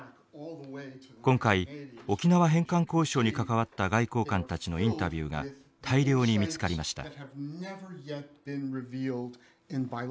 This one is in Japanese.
今回沖縄返還交渉に関わった外交官たちのインタビューが大量に見つかりました。